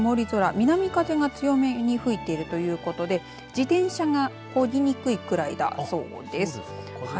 南風が強めに吹いているということで、自転車がこぎにくいくらいだそうです。